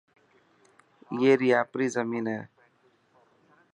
ائي ري آپري زمين هي.